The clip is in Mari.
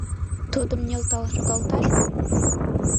— Тудым нӧлтал шогалташ мо?